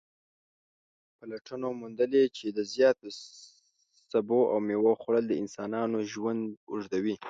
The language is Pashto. پلټنو موندلې چې د زیاتو سبو او میوو خوړل د انسانانو ژوند اوږدوي